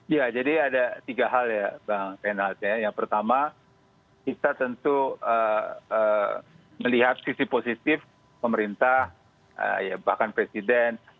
ya jadi ada tiga hal ya bang renat yang pertama kita tentu melihat sisi positif pemerintah bahkan presiden